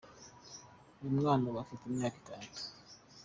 Uyu mwana ubu afite imyaka itatu.